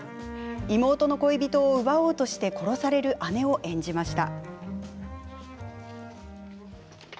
妹の恋人を奪おうとして殺される姉を演じました。